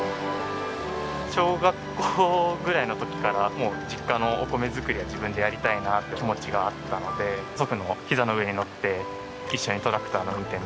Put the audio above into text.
小学校ぐらいの時から実家のお米作りは自分でやりたいなっていう気持ちがあったので祖父のひざの上に乗って一緒にトラクターの運転。